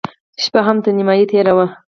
شپه هم تر نيمايي تېره وه.